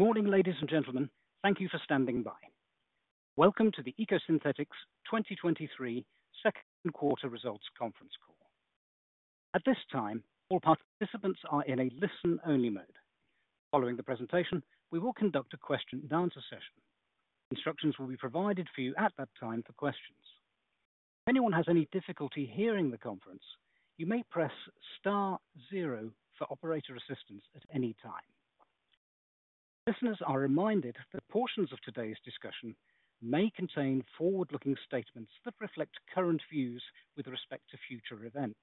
Good morning, ladies and gentlemen. Thank you for standing by. Welcome to the EcoSynthetix 2023 second quarter results conference call. At this time, all participants are in a listen-only mode. Following the presentation, we will conduct a question and answer session. Instructions will be provided for you at that time for questions. If anyone has any difficulty hearing the conference, you may press star zero for operator assistance at any time. Listeners are reminded that portions of today's discussion may contain forward-looking statements that reflect current views with respect to future events.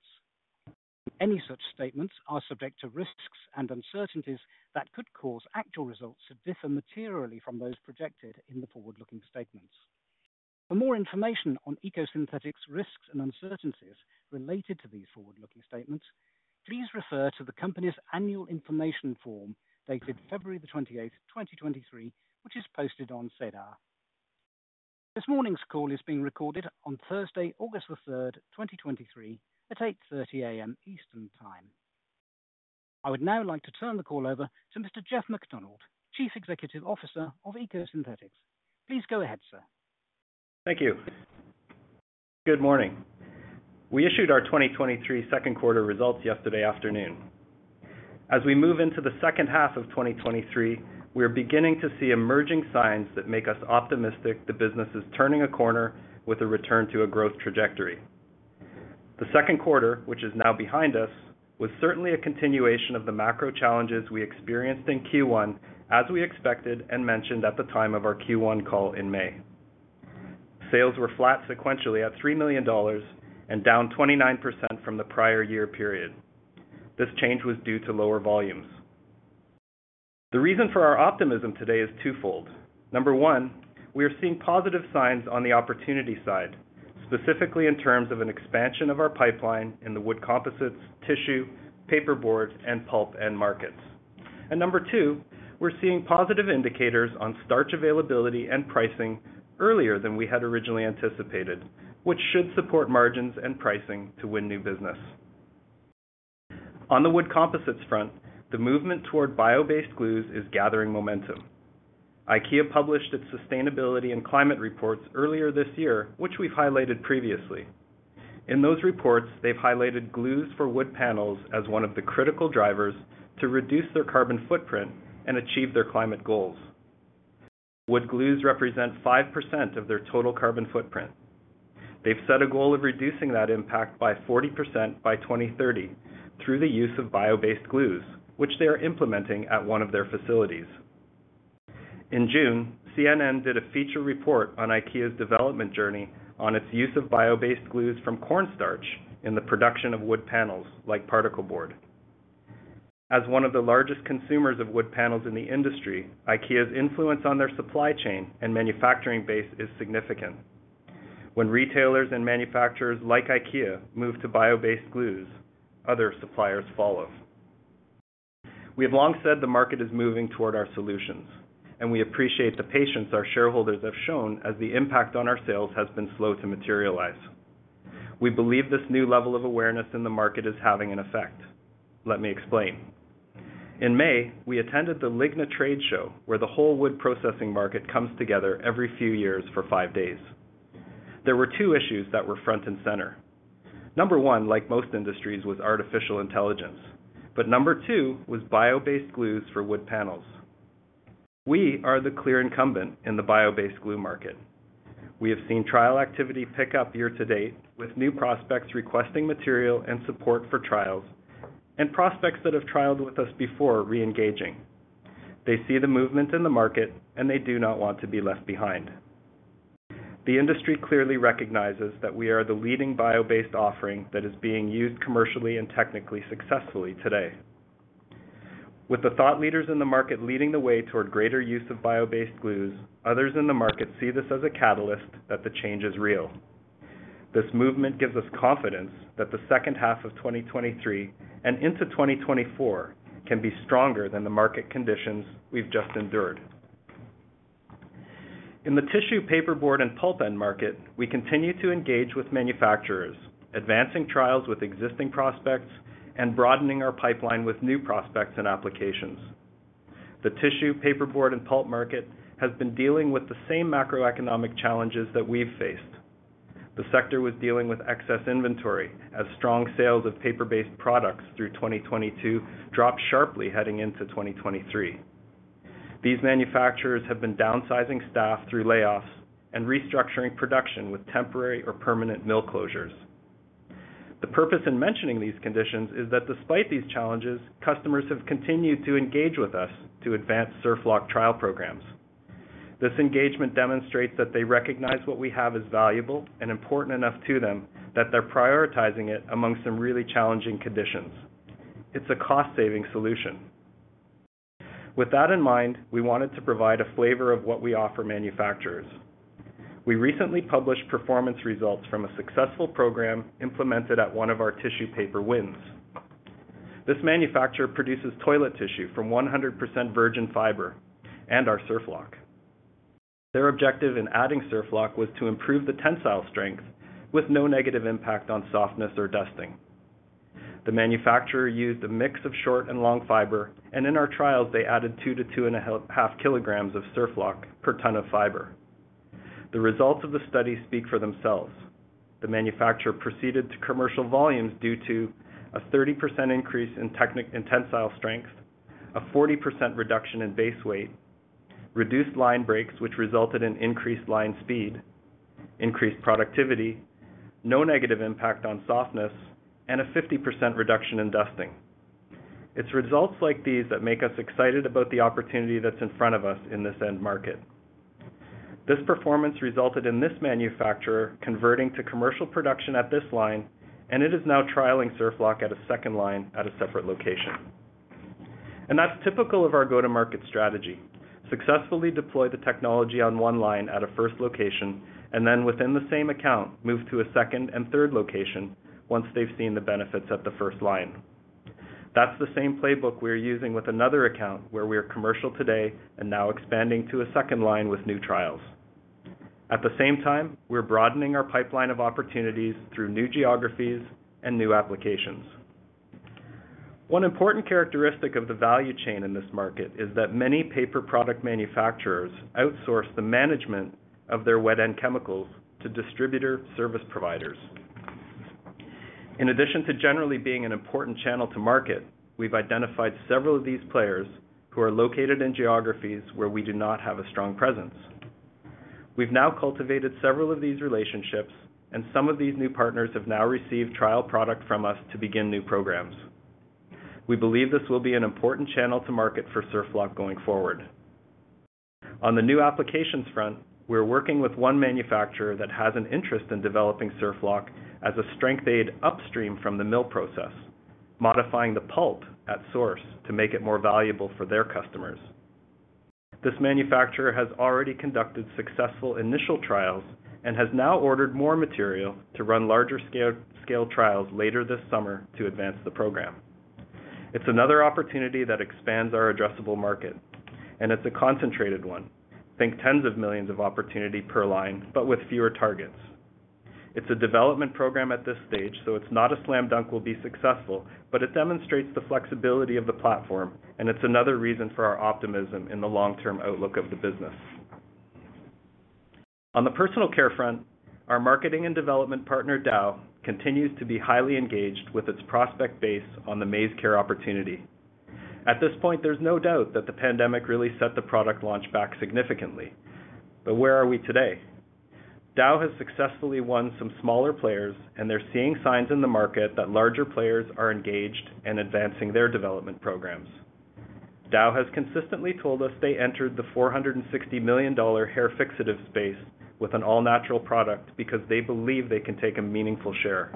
Any such statements are subject to risks and uncertainties that could cause actual results to differ materially from those projected in the forward-looking statements. For more information on EcoSynthetix risks and uncertainties related to these forward-looking statements, please refer to the company's annual information form, dated February 28, 2023, which is posted on SEDAR. This morning's call is being recorded on Thursday, August 3rd, 2023 at 8:30 A.M. Eastern Time. I would now like to turn the call over to Mr. Jeff MacDonald, Chief Executive Officer of EcoSynthetix. Please go ahead, sir. Thank you. Good morning. We issued our 2023 second quarter results yesterday afternoon. As we move into the second half of 2023, we are beginning to see emerging signs that make us optimistic the business is turning a corner with a return to a growth trajectory. The second quarter, which is now behind us, was certainly a continuation of the macro challenges we experienced in Q1, as we expected and mentioned at the time of our Q1 call in May. Sales were flat sequentially at $3.0 million and down 29% from the prior year period. This change was due to lower volumes. The reason for our optimism today is twofold. Number one, we are seeing positive signs on the opportunity side, specifically in terms of an expansion of our pipeline in the wood composites, tissue, paperboard, and pulp end markets. Number 2, we're seeing positive indicators on starch availability and pricing earlier than we had originally anticipated, which should support margins and pricing to win new business. On the wood composites front, the movement toward bio-based glues is gathering momentum. IKEA published its sustainability and climate reports earlier this year, which we've highlighted previously. In those reports, they've highlighted glues for wood panels as one of the critical drivers to reduce their carbon footprint and achieve their climate goals. Wood glues represent 5% of their total carbon footprint. They've set a goal of reducing that impact by 40% by 2030, through the use of bio-based glues, which they are implementing at one of their facilities. In June, CNN did a feature report on IKEA's development journey on its use of bio-based glues from cornstarch in the production of wood panels like particleboard. As one of the largest consumers of wood panels in the industry, IKEA's influence on their supply chain and manufacturing base is significant. When retailers and manufacturers like IKEA move to bio-based glues, other suppliers follow. We have long said the market is moving toward our solutions, and we appreciate the patience our shareholders have shown as the impact on our sales has been slow to materialize. We believe this new level of awareness in the market is having an effect. Let me explain. In May, we attended the LIGNA trade show, where the whole wood processing market comes together every few years for five days. There were two issues that were front and center. Number one, like most industries, was artificial intelligence, but number two was bio-based glues for wood panels. We are the clear incumbent in the bio-based glue market. We have seen trial activity pick up year to date, with new prospects requesting material and support for trials, and prospects that have trialed with us before reengaging. They see the movement in the market, they do not want to be left behind. The industry clearly recognizes that we are the leading bio-based offering that is being used commercially and technically successfully today. With the thought leaders in the market leading the way toward greater use of bio-based glues, others in the market see this as a catalyst that the change is real. This movement gives us confidence that the second half of 2023 and into 2024 can be stronger than the market conditions we've just endured. In the tissue, paperboard, and pulp end market, we continue to engage with manufacturers, advancing trials with existing prospects and broadening our pipeline with new prospects and applications. The tissue, paperboard, and pulp market has been dealing with the same macroeconomic challenges that we've faced. The sector was dealing with excess inventory as strong sales of paper-based products through 2022 dropped sharply heading into 2023. These manufacturers have been downsizing staff through layoffs and restructuring production with temporary or permanent mill closures. The purpose in mentioning these conditions is that despite these challenges, customers have continued to engage with us to advance SurfLock trial programs. This engagement demonstrates that they recognize what we have is valuable and important enough to them, that they're prioritizing it among some really challenging conditions. It's a cost-saving solution. With that in mind, we wanted to provide a flavor of what we offer manufacturers. We recently published performance results from a successful program implemented at one of our tissue paper wins. This manufacturer produces toilet tissue from 100% virgin fiber and our SurfLock. Their objective in adding SurfLock was to improve the tensile strength with no negative impact on softness or dusting. The manufacturer used a mix of short and long fiber, and in our trials, they added 2-2.5 kilograms of SurfLock per ton of fiber. The results of the study speak for themselves. The manufacturer proceeded to commercial volumes due to a 30% increase in technic and tensile strength, a 40% reduction in basis weight, reduced line breaks, which resulted in increased line speed, increased productivity, no negative impact on softness, and a 50% reduction in dusting. It's results like these that make us excited about the opportunity that's in front of us in this end market. This performance resulted in this manufacturer converting to commercial production at this line, it is now trialing SurfLock at a second line at a separate location. That's typical of our go-to-market strategy. Successfully deploy the technology on one line at a first location, and then within the same account, move to a second and third location once they've seen the benefits at the first line. That's the same playbook we're using with another account where we are commercial today and now expanding to a second line with new trials. At the same time, we're broadening our pipeline of opportunities through new geographies and new applications. One important characteristic of the value chain in this market is that many paper product manufacturers outsource the management of their wet end chemicals to distributor service providers. In addition to generally being an important channel to market, we've identified several of these players who are located in geographies where we do not have a strong presence. We've now cultivated several of these relationships, and some of these new partners have now received trial product from us to begin new programs. We believe this will be an important channel to market for SurfLock going forward. On the new applications front, we're working with one manufacturer that has an interest in developing SurfLock as a strength aid upstream from the mill process, modifying the pulp at source to make it more valuable for their customers. This manufacturer has already conducted successful initial trials and has now ordered more material to run larger scale, scale trials later this summer to advance the program. It's another opportunity that expands our addressable market, and it's a concentrated one. Think tens of millions of opportunity per line, but with fewer targets. It's a development program at this stage, so it's not a slam dunk will be successful, but it demonstrates the flexibility of the platform, and it's another reason for our optimism in the long-term outlook of the business. On the personal care front, our marketing and development partner, Dow, continues to be highly engaged with its prospect base on the MaizeCare opportunity. At this point, there's no doubt that the pandemic really set the product launch back significantly. Where are we today? Dow has successfully won some smaller players, and they're seeing signs in the market that larger players are engaged in advancing their development programs. Dow has consistently told us they entered the $460 million hair fixative space with an all-natural product because they believe they can take a meaningful share.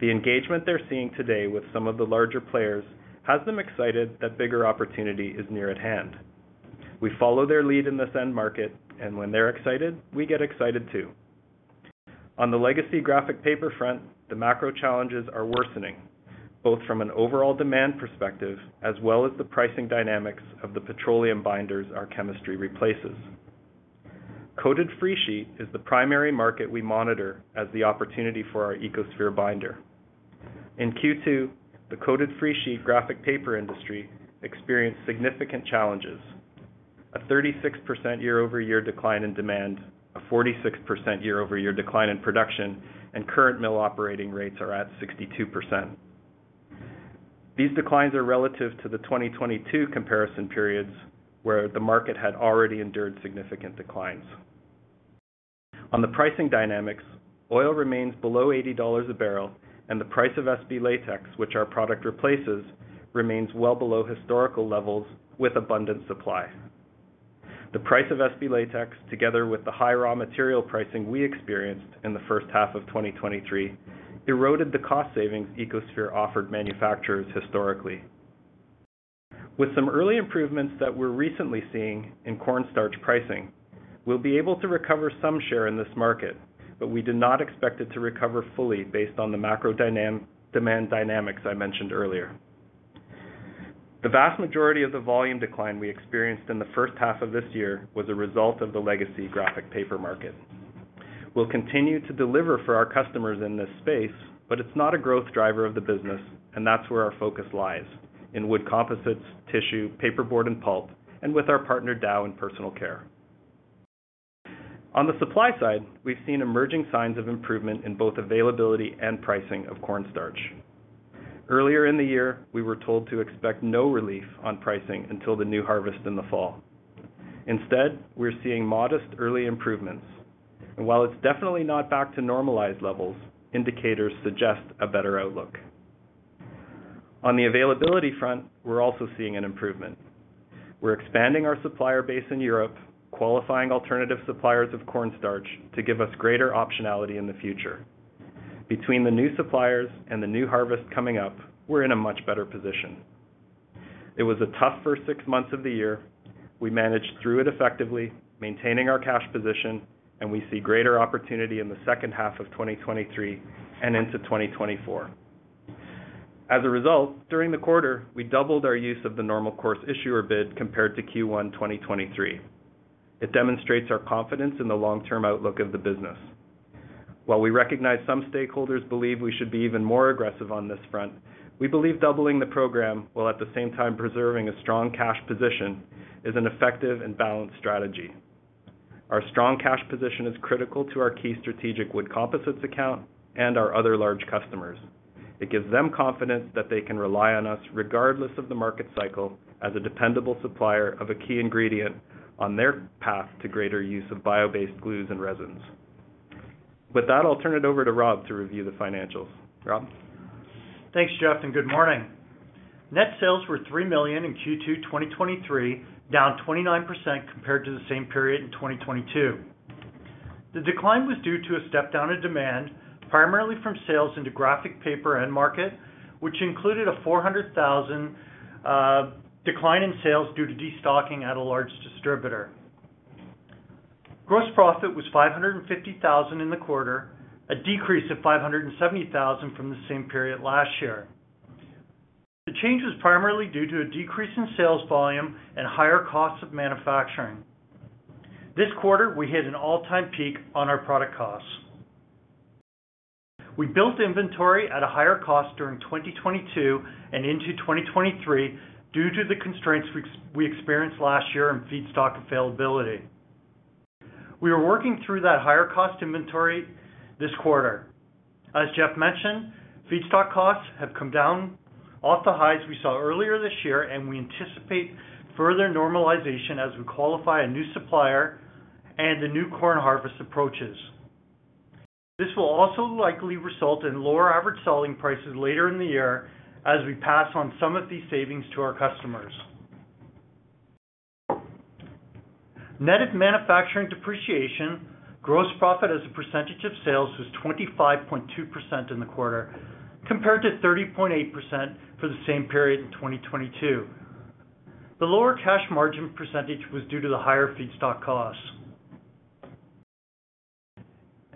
The engagement they're seeing today with some of the larger players has them excited that bigger opportunity is near at hand. We follow their lead in this end market, and when they're excited, we get excited too. On the legacy graphic paper front, the macroeconomic challenges are worsening, both from an overall demand perspective as well as the pricing dynamics of the petroleum binders our chemistry replaces. Coated freesheet is the primary market we monitor as the opportunity for our EcoSphere binder. In Q2, the coated freesheet graphic paper industry experienced significant challenges: a 36% year-over-year decline in demand, a 46% year-over-year decline in production, and current mill operating rates are at 62%. These declines are relative to the 2022 comparison periods, where the market had already endured significant declines. On the pricing dynamics, oil remains below $80 per barrel, and the price of SB latex, which our product replaces, remains well below historical levels with abundant supply. The price of SB latex, together with the high raw material pricing we experienced in the first half of 2023, eroded the cost savings EcoSphere offered manufacturers historically. With some early improvements that we're recently seeing in cornstarch pricing, we'll be able to recover some share in this market, but we do not expect it to recover fully based on the macro demand dynamics I mentioned earlier. The vast majority of the volume decline we experienced in the first half of this year was a result of the legacy graphic paper market. We'll continue to deliver for our customers in this space, but it's not a growth driver of the business, and that's where our focus lies, in wood composites, tissue, paperboard, and pulp, and with our partner, Dow, in personal care. On the supply side, we've seen emerging signs of improvement in both availability and pricing of cornstarch. Earlier in the year, we were told to expect no relief on pricing until the new harvest in the fall. Instead, we're seeing modest early improvements, and while it's definitely not back to normalized levels, indicators suggest a better outlook. On the availability front, we're also seeing an improvement. We're expanding our supplier base in Europe, qualifying alternative suppliers of cornstarch to give us greater optionality in the future. Between the new suppliers and the new harvest coming up, we're in a much better position. It was a tough first six months of the year. We managed through it effectively, maintaining our cash position, and we see greater opportunity in the second half of 2023 and into 2024. As a result, during the quarter, we doubled our use of the normal course issuer bid compared to Q1, 2023. It demonstrates our confidence in the long-term outlook of the business. While we recognize some stakeholders believe we should be even more aggressive on this front, we believe doubling the program, while at the same time preserving a strong cash position, is an effective and balanced strategy. Our strong cash position is critical to our key strategic wood composites account and our other large customers. It gives them confidence that they can rely on us, regardless of the market cycle, as a dependable supplier of a key ingredient on their path to greater use of bio-based glues and resins. With that, I'll turn it over to Rob to review the financials. Rob? Thanks, Jeff, good morning. Net sales were $3.0 million in Q2 2023, down 29% compared to the same period in 2022. The decline was due to a step down in demand, primarily from sales into graphic paper end market, which included a $400,000 decline in sales due to destocking at a large distributor. Gross profit was $550,000 in the quarter, a decrease of $570,000 from the same period last year. The change was primarily due to a decrease in sales volume and higher costs of manufacturing. This quarter, we hit an all-time peak on our product costs. We built inventory at a higher cost during 2022 and into 2023 due to the constraints we experienced last year in feedstock availability. We are working through that higher cost inventory this quarter. As Jeff mentioned, feedstock costs have come down off the highs we saw earlier this year, and we anticipate further normalization as we qualify a new supplier and the new corn harvest approaches. This will also likely result in lower average selling prices later in the year as we pass on some of these savings to our customers. Net of manufacturing depreciation, gross profit as a percentage of sales was 25.2% in the quarter, compared to 30.8% for the same period in 2022. The lower cash margin percentage was due to the higher feedstock costs.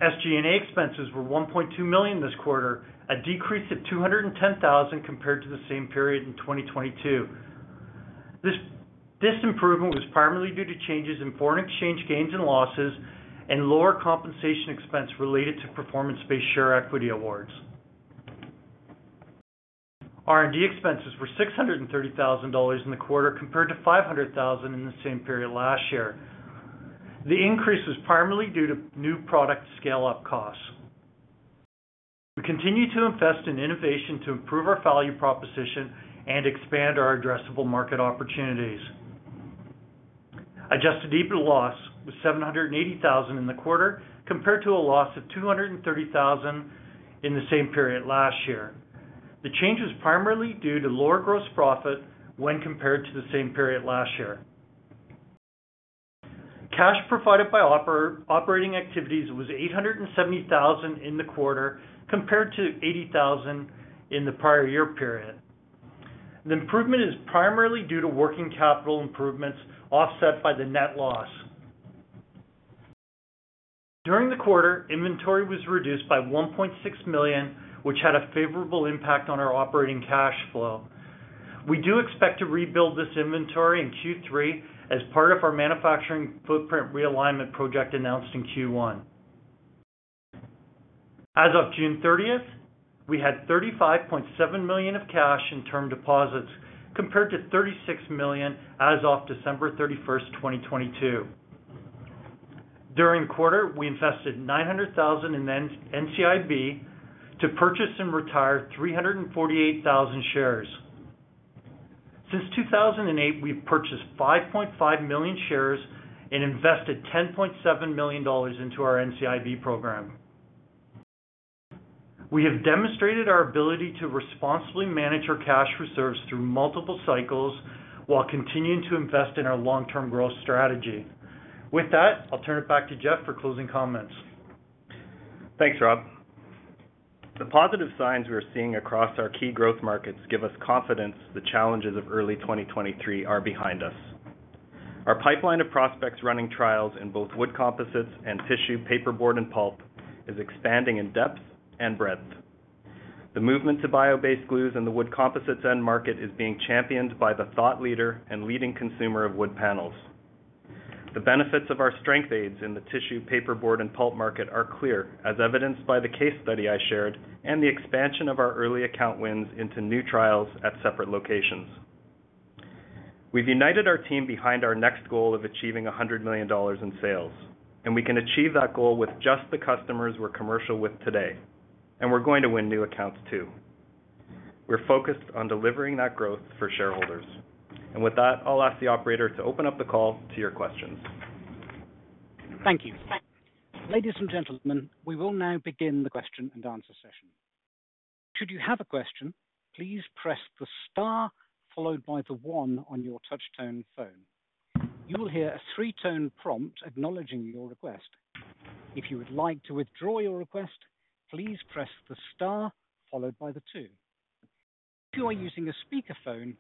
SG&A expenses were $1.2 million this quarter, a decrease of $210,000 compared to the same period in 2022. This improvement was primarily due to changes in foreign exchange gains and losses and lower compensation expense related to performance-based share equity awards. R&D expenses were $630,000 in the quarter, compared to $500,000 in the same period last year. The increase was primarily due to new product scale-up costs. We continue to invest in innovation to improve our value proposition and expand our addressable market opportunities. Adjusted EBITDA loss was $780,000 in the quarter, compared to a loss of $230,000 in the same period last year. The change was primarily due to lower gross profit when compared to the same period last year. Cash provided by operating activities was $870,000 in the quarter, compared to $80,000 in the prior year period. The improvement is primarily due to working capital improvements, offset by the net loss. During the quarter, inventory was reduced by $1.6 million, which had a favorable impact on our operating cash flow. We do expect to rebuild this inventory in Q3 as part of our manufacturing footprint realignment project announced in Q1. As of June 30th, we had $35.7 million of cash in term deposits, compared to $36 million as of December 31st, 2022. During the quarter, we invested $900,000 in NCIB to purchase and retire 348,000 shares. Since 2008, we've purchased 5.5 million shares and invested $10.7 million into our NCIB program. We have demonstrated our ability to responsibly manage our cash reserves through multiple cycles while continuing to invest in our long-term growth strategy. With that, I'll turn it back to Jeff for closing comments. Thanks, Rob. The positive signs we are seeing across our key growth markets give us confidence the challenges of early 2023 are behind us. Our pipeline of prospects running trials in both wood composites and tissue, paperboard, and pulp, is expanding in depth and breadth. The movement to bio-based glues in the wood composites end market is being championed by the thought leader and leading consumer of wood panels. The benefits of our strength aids in the tissue, paperboard, and pulp market are clear, as evidenced by the case study I shared and the expansion of our early account wins into new trials at separate locations. We've united our team behind our next goal of achieving $100 million in sales, and we can achieve that goal with just the customers we're commercial with today, and we're going to win new accounts, too. We're focused on delivering that growth for shareholders. With that, I'll ask the operator to open up the call to your questions. Thank you. Ladies and gentlemen, we will now begin the question and answer session. Should you have a question, please press the star followed by the one on your touchtone phone. You will hear a three-tone prompt acknowledging your request. If you would like to withdraw your request, please press the star followed by the two. If you are using a speakerphone,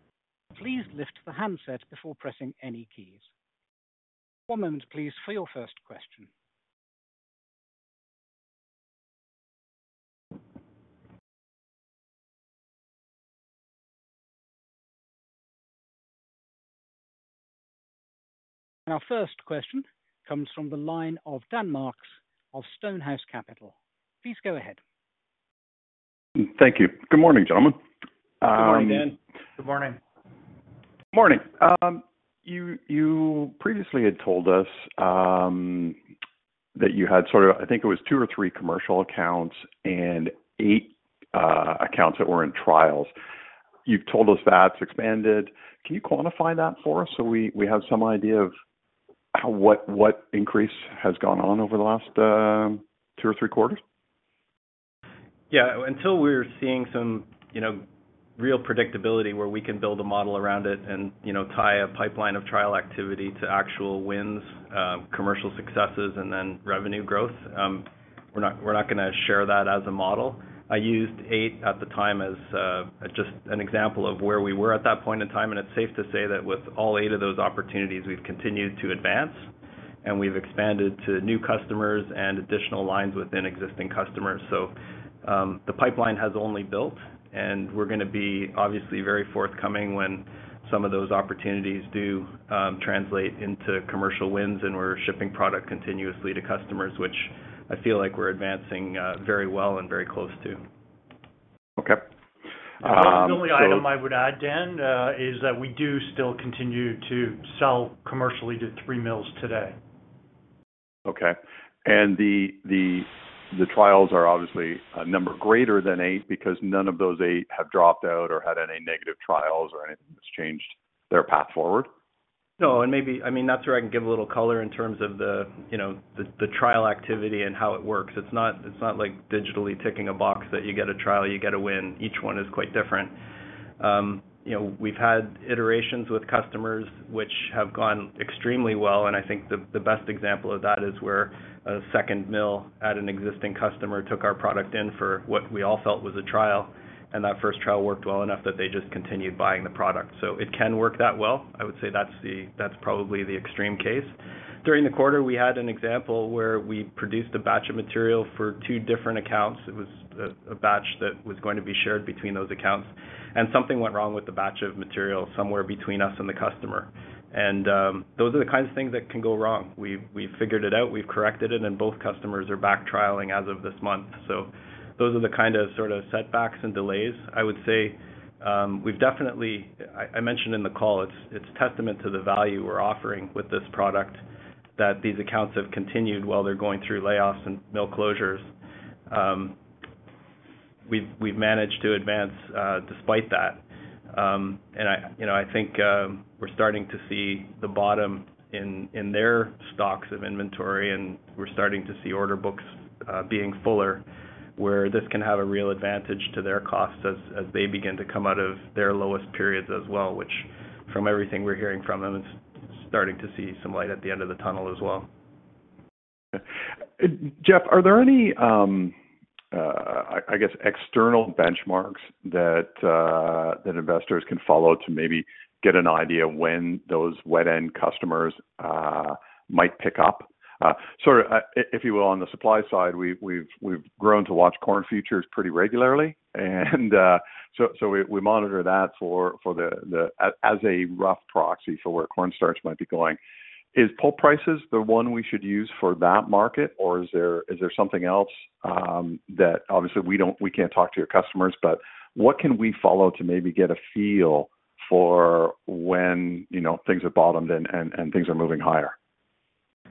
please lift the handset before pressing any keys. One moment, please, for your first question. Our first question comes from the line of Dan Marks of Stonehouse Capital. Please go ahead. Thank you. Good morning, gentlemen. Good morning, Dan. Good morning. Good morning. You, you previously had told us, that you had sort of, I think it was 2 or 3 commercial accounts and 8 accounts that were in trials. You've told us that's expanded. Can you quantify that for us so we, we have some idea of what, what increase has gone on over the last 2 or 3 quarters? Yeah. Until we're seeing some, you know, real predictability where we can build a model around it and, you know, tie a pipeline of trial activity to actual wins, commercial successes, and then revenue growth, we're not, we're not gonna share that as a model. I used 8 at the time as just an example of where we were at that point in time, and it's safe to say that with all 8 of those opportunities, we've continued to advance and we've expanded to new customers and additional lines within existing customers. The pipeline has only built, and we're gonna be obviously very forthcoming when some of those opportunities do translate into commercial wins, and we're shipping product continuously to customers, which I feel like we're advancing very well and very close to. Okay. The only item I would add, Dan, is that we do still continue to sell commercially to 3 mills today. Okay. The trials are obviously a number greater than eight because none of those eight have dropped out or had any negative trials or anything that's changed their path forward? No, I mean, that's where I can give a little color in terms of the, you know, the, the trial activity and how it works. It's not, it's not like digitally ticking a box that you get a trial, you get a win. Each one is quite different. You know, we've had iterations with customers which have gone extremely well, and I think the, the best example of that is where a second mill at an existing customer took our product in for what we all felt was a trial, and that first trial worked well enough that they just continued buying the product. It can work that well. I would say that's probably the extreme case. During the quarter, we had an example where we produced a batch of material for two different accounts. It was a batch that was going to be shared between those accounts, something went wrong with the batch of material somewhere between us and the customer. Those are the kinds of things that can go wrong. We've figured it out, we've corrected it, both customers are back trialing as of this month. Those are the kind of sort of setbacks and delays. I would say, we've definitely I mentioned in the call, it's testament to the value we're offering with this product, that these accounts have continued while they're going through layoffs and mill closures. We've managed to advance despite that. I, you know, I think, we're starting to see the bottom in, in their stocks of inventory, and we're starting to see order books being fuller, where this can have a real advantage to their costs as, as they begin to come out of their lowest periods as well, which, from everything we're hearing from them, is starting to see some light at the end of the tunnel as well. Jeff, are there any, I, I guess, external benchmarks that investors can follow to maybe get an idea of when those wet end customers might pick up? If you will, on the supply side, we've grown to watch corn futures pretty regularly, we monitor that for the as a rough proxy for where cornstarch might be going. Is pulp prices the one we should use for that market, or is there something else that obviously we can't talk to your customers, but what can we follow to maybe get a feel for when, you know, things have bottomed and things are moving higher?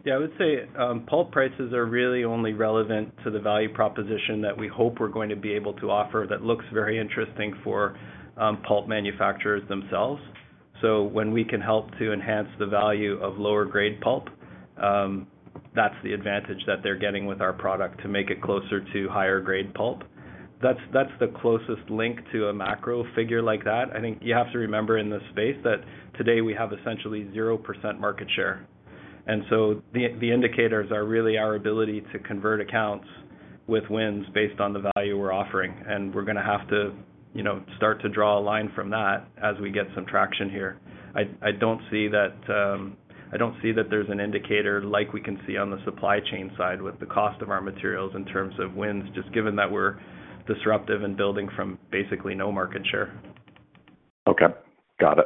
Yeah, I would say, pulp prices are really only relevant to the value proposition that we hope we're going to be able to offer that looks very interesting for pulp manufacturers themselves. When we can help to enhance the value of lower grade pulp, that's the advantage that they're getting with our product to make it closer to higher grade pulp. That's, that's the closest link to a macro figure like that. I think you have to remember in this space that today we have essentially 0% market share, the indicators are really our ability to convert accounts with wins based on the value we're offering, and we're gonna have to, you know, start to draw a line from that as we get some traction here. I don't see that there's an indicator like we can see on the supply chain side with the cost of our materials in terms of wins, just given that we're disruptive and building from basically no market share. Okay, got it.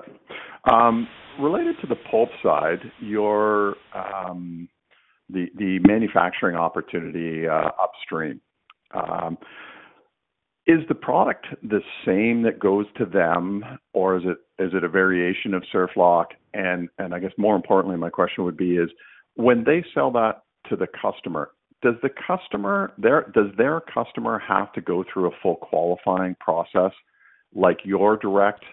Related to the pulp side, your, the, the manufacturing opportunity, upstream, is the product the same that goes to them, or is it, is it a variation of SurfLock? I guess more importantly, my question would be, when they sell that to the customer, does their customer have to go through a full qualifying process like your direct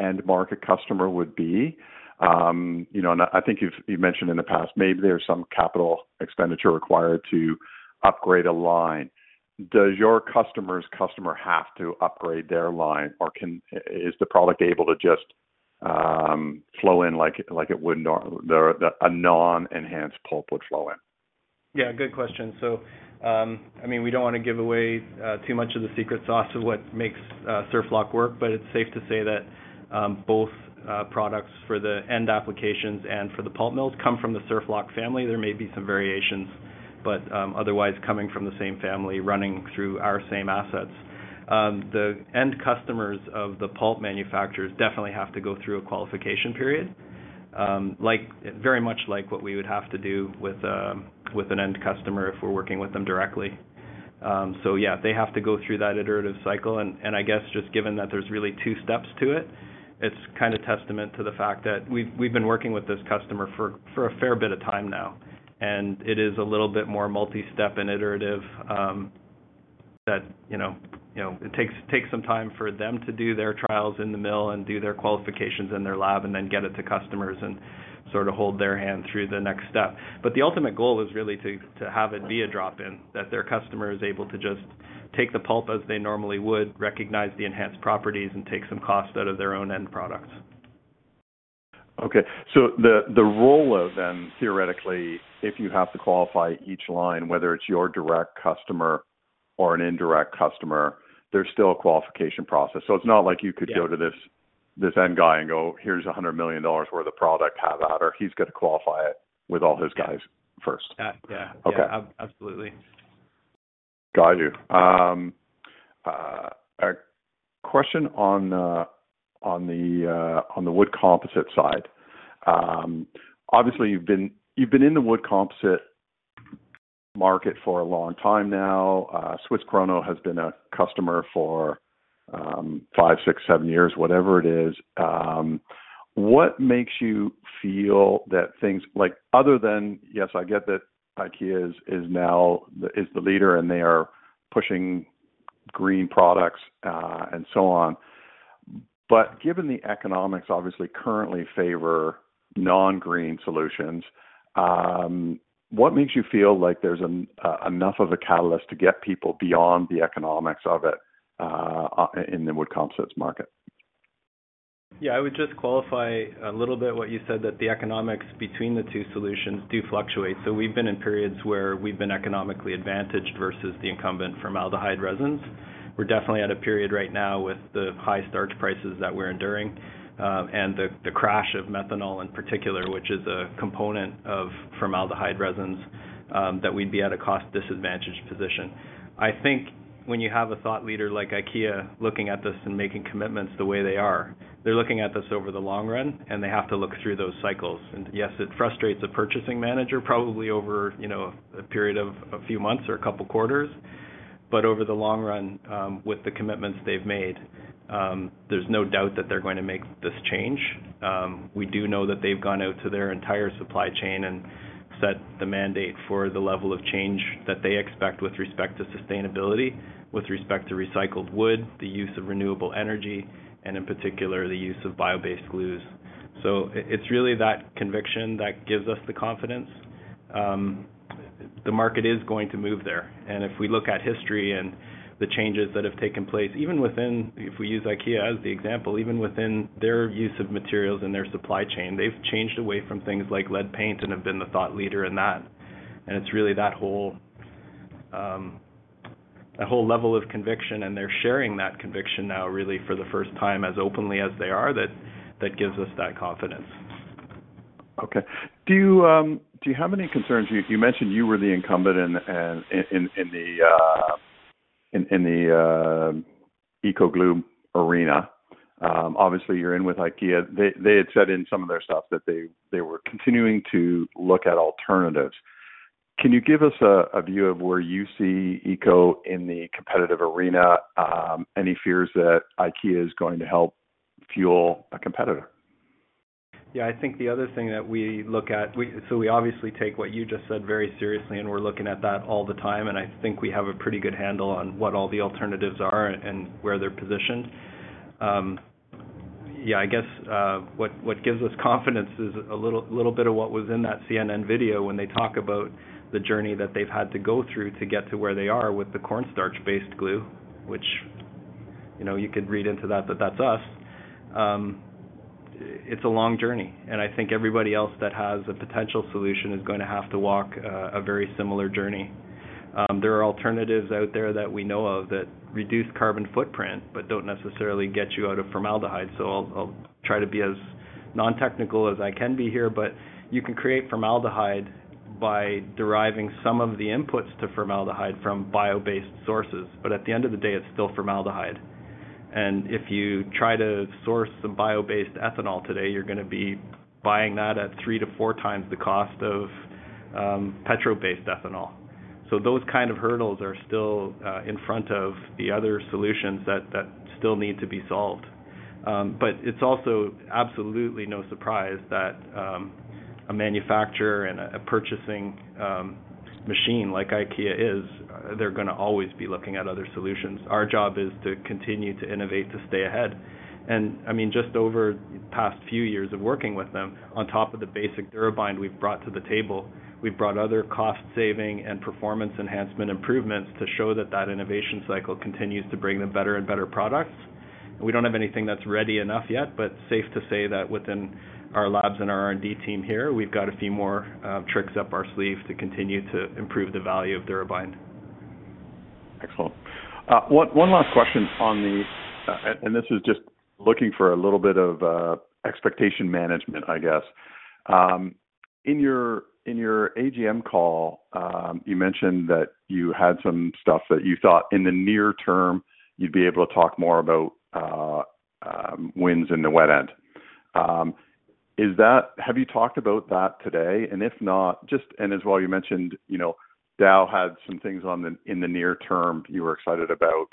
end market customer would be? You know, and I think you've, you've mentioned in the past, maybe there's some capital expenditure required to upgrade a line. Does your customer's customer have to upgrade their line, or can... Is the product able to just flow in like like it would a non-enhanced pulp would flow in? Yeah, good question. I mean, we don't want to give away too much of the secret sauce of what makes SurfLock work. It's safe to say that both products for the end applications and for the pulp mills come from the SurfLock family. There may be some variations, coming from the same family, running through our same assets. The end customers of the pulp manufacturers definitely have to go through a qualification period, like, very much like what we would have to do with an end customer if we're working with them directly. Yeah, they have to go through that iterative cycle. I guess just given that there's really two steps to it, it's kinda testament to the fact that we've, we've been working with this customer for, for a fair bit of time now, and it is a little bit more multi-step and iterative, that, you know, you know, it takes, takes some time for them to do their trials in the mill and do their qualifications in their lab and then get it to customers and sort of hold their hand through the next step. The ultimate goal is really to, to have it be a drop-in, that their customer is able to just take the pulp as they normally would, recognize the enhanced properties, and take some cost out of their own end products. Okay. The, the role of then, theoretically, if you have to qualify each line, whether it's your direct customer or an indirect customer, there's still a qualification process. It's not like you could- Yeah... go to this end guy and go, "Here's $100 million worth of product. Have at her. He's gonna qualify it with all his guys first. Yeah. Okay. Yeah, absolutely. Got you. A question on the, on the wood composite side. Obviously, you've been, you've been in the wood composites market for a long time now. Swiss Krono has been a customer for, five, six, seven years, whatever it is. What makes you feel that things... Like, other than, yes, I get that IKEA is, is now, the, is the leader, and they are pushing green products, and so on. Given the economics obviously currently favor non-green solutions, what makes you feel like there's enough of a catalyst to get people beyond the economics of it, in the wood composites market? Yeah, I would just qualify a little bit what you said, that the economics between the two solutions do fluctuate. We've been in periods where we've been economically advantaged versus the incumbent formaldehyde resins. We're definitely at a period right now with the high starch prices that we're enduring, and the, the crash of methanol in particular, which is a component of formaldehyde resins, that we'd be at a cost disadvantage position. I think when you have a thought leader like IKEA looking at this and making commitments the way they are, they're looking at this over the long run, and they have to look through those cycles. Yes, it frustrates a purchasing manager, probably over, you know, a period of a few months or a couple quarters, but over the long run, with the commitments they've made, there's no doubt that they're going to make this change. We do know that they've gone out to their entire supply chain and set the mandate for the level of change that they expect with respect to sustainability, with respect to recycled wood, the use of renewable energy, and in particular, the use of bio-based glues. I- it's really that conviction that gives us the confidence, the market is going to move there. If we look at history and the changes that have taken place, even within... If we use IKEA as the example, even within their use of materials and their supply chain, they've changed away from things like lead paint and have been the thought leader in that. It's really that whole, that whole level of conviction, and they're sharing that conviction now, really for the first time, as openly as they are, that, that gives us that confidence. Okay. Do you have any concerns? You, you mentioned you were the incumbent in the Eco Glue arena. Obviously, you're in with IKEA. They had said in some of their stuff that they were continuing to look at alternatives. Can you give us a view of where you see Eco in the competitive arena? Any fears that IKEA is going to help fuel a competitor? Yeah, I think the other thing that we look at- We obviously take what you just said very seriously, and we're looking at that all the time, and I think we have a pretty good handle on what all the alternatives are and where they're positioned. Yeah, I guess what gives us confidence is a little bit of what was in that CNN video when they talk about the journey that they've had to go through to get to where they are with the cornstarch-based glue, which, you know, you could read into that, that that's us. It's a long journey, and I think everybody else that has a potential solution is gonna have to walk a very similar journey. There are alternatives out there that we know of that reduce carbon footprint, but don't necessarily get you out of formaldehyde. I'll, I'll try to be as non-technical as I can be here, but you can create formaldehyde by deriving some of the inputs to formaldehyde from bio-based sources. At the end of the day, it's still formaldehyde. If you try to source some bio-based ethanol today, you're gonna be buying that at 3 to 4 times the cost of petro-based ethanol. Those kind of hurdles are still in front of the other solutions that, that still need to be solved. It's also absolutely no surprise that a manufacturer and a, a purchasing machine like IKEA is, they're gonna always be looking at other solutions. Our job is to continue to innovate, to stay ahead. I mean, just over the past few years of working with them, on top of the basic DuraBind we've brought to the table, we've brought other cost-saving and performance enhancement improvements to show that that innovation cycle continues to bring them better and better products. We don't have anything that's ready enough yet, but safe to say that within our labs and our R&D team here, we've got a few more tricks up our sleeve to continue to improve the value of DuraBind. Excellent. One last question on the... This is just looking for a little bit of expectation management, I guess. In your, in your AGM call, you mentioned that you had some stuff that you thought in the near term you'd be able to talk more about wins in the wet end. Have you talked about that today? If not, just, and as well, you mentioned, you know, Dow had some things on the, in the near term you were excited about.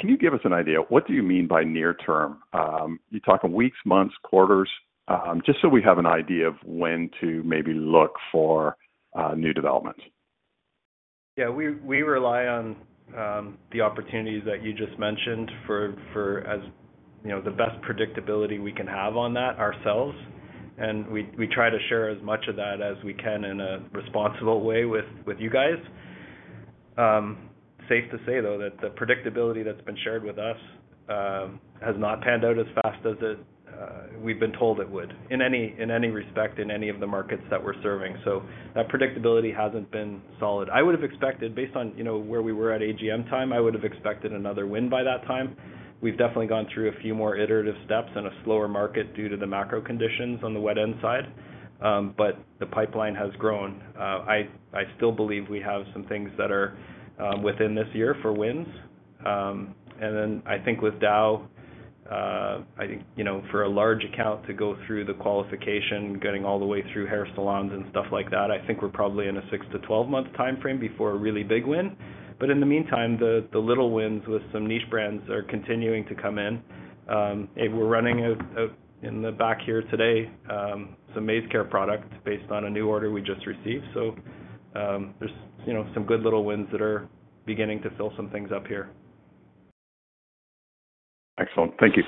Can you give us an idea? What do you mean by near term? You talking weeks, months, quarters? Just so we have an idea of when to maybe look for new developments. Yeah, we, we rely on, the opportunities that you just mentioned for, for as, you know, the best predictability we can have on that ourselves. We, we try to share as much of that as we can in a responsible way with, with you guys. Safe to say, though, that the predictability that's been shared with us, has not panned out as fast as it, we've been told it would, in any, in any respect, in any of the markets that we're serving. That predictability hasn't been solid. I would have expected, based on, you know, where we were at AGM time, I would have expected another win by that time. We've definitely gone through a few more iterative steps and a slower market due to the macro conditions on the wet end side, but the pipeline has grown. I, I still believe we have some things that are within this year for wins. I think with Dow, I think, you know, for a large account to go through the qualification, getting all the way through hair salons and stuff like that, I think we're probably in a 6-12 month time frame before a really big win. In the meantime, the, the little wins with some niche brands are continuing to come in. We're running a in the back here today, some MaizeCare products based on a new order we just received. There's, you know, some good little wins that are beginning to fill some things up here. Excellent. Thank you.